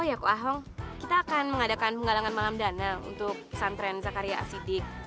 oh ya ku ahong kita akan mengadakan penggalangan malam dana untuk pesantren zakaria asyidik